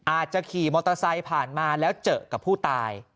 ขี่มอเตอร์ไซค์ผ่านมาแล้วเจอกับผู้ตาย